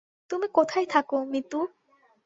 তুমি কোথায় থাকো, মিতু?